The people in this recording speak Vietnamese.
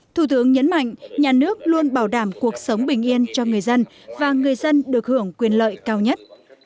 thủ tướng nhấn mạnh nhà nước luôn bảo đảm cuộc sống bình yên cho người dân và người dân được hưởng quyền lợi cao nhất